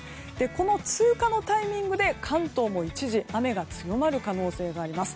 この通過のタイミングで関東も一時、雨が強まる可能性があります。